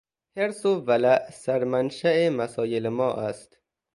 حرص و ولع سرمنشا مسایل ما است.